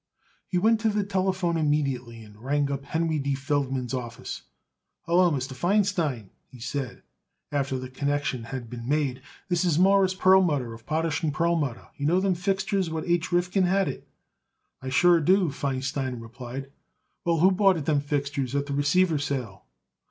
He went to the telephone immediately and rang up Henry D. Feldman's office. "Hallo, Mr. Feinstein," he said, after the connection had been made. "This is Mawruss Perlmutter, of Potash & Perlmutter. You know them fixtures what H. Rifkin had it?" "I sure do," Feinstein replied. "Well, who bought it them fixtures at the receiver's sale?"